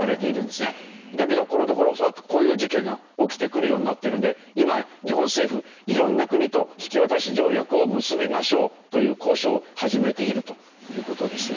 だけどこのところそうやってこういう事件が起きてくるようになっているので今日本政府色んな国と引き渡し条約を結びましょうという交渉を始めているという事ですね。